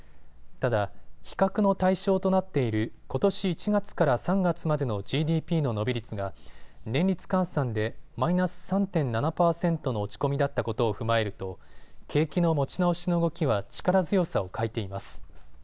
ただ、比較の対象となっていることし１月から３月までのＧＤＰの伸び率が年率換算でマイナス３．７％の落ち込みだったことを踏まえると景気の持ち直しの動きは力強さを欠いています。